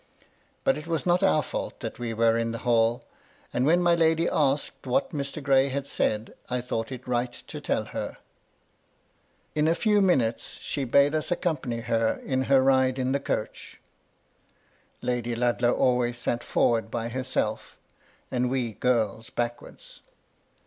But it was not our fault that we were in the hall, and when my lady asked what Mr. Gray had said, I thought it right to tell her. In a few minutes she bade us accompany her in he ride in the coach. MY LADY LUDLOW. 53 Lady Ludlow always sat forwards by herself, and we girls backwards.